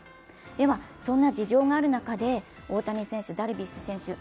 では、そんな事情がある中で大谷選手、ダルビッシュ選手